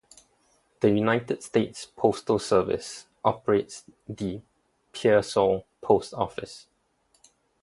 The United States Postal Service operates the Pearsall Post Office.